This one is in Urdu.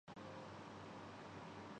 یہ چینی تھے۔